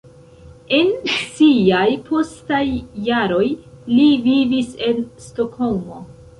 En siaj postaj jaroj li vivis en Stokholmo.